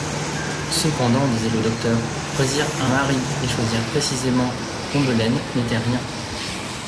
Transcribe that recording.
Cependant, disait le docteur, choisir un mari et choisir précisément Combelaine n'était rien.